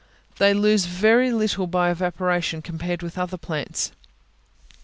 They lose very little by evaporation, compared with other plants.